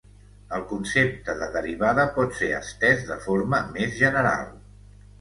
El concepte de derivada pot ser estès de forma més general.